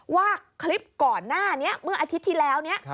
ว่าคลิปก่อนหน้านี้เมื่ออาทิตย์ที่แล้วนี้